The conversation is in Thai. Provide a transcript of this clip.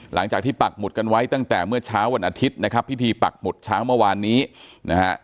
หลังจากที่ปักหมุดกันไว้ตั้งแต่เมื่อเช้าวันอาทิตย์นะครับพิธีปักหมุดช้างเมื่อวานนี้นะฮะ